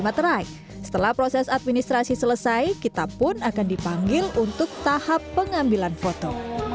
semoga teraih setelah proses administrasi selesai kita pun akan dipanggil untuk tahap pengambilan foto